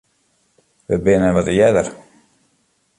Wy binne wat earder.